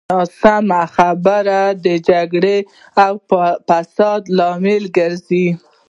ناسمه خبره د جګړې او فساد لامل ګرځي.